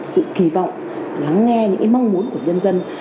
sự kỳ vọng lắng nghe những mong muốn của nhân dân